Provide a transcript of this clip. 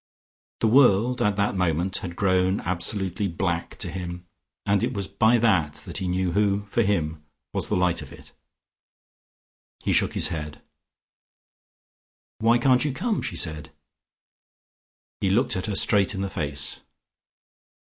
The world, at that moment, had grown absolutely black to him, and it was by that that he knew who, for him, was the light of it. He shook his head. "Why can't you come?" she said. He looked at her straight in the face.